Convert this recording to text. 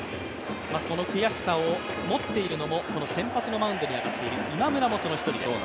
その悔しさを持っているのも先発のマウンドに上がっている今村もその一人です。